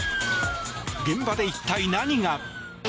現場で一体何が？